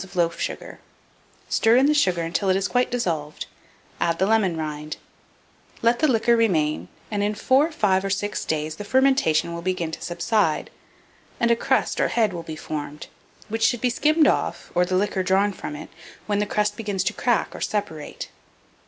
of loaf sugar; stir in the sugar until it is quite dissolved, and add the lemon rind; let the liquor remain, and, in 4, 5, or 6 days, the fermentation will begin to subside, and a crust or head will be formed, which should be skimmed off, or the liquor drawn from it, when the crust begins to crack or separate.